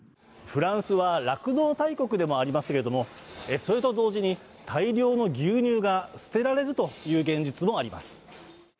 フランスは酪農大国でもありますけれども、それと同時に大量の牛乳が捨てられるという現実もあります。